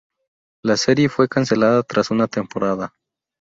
La serie fue cancelada tras una temporada.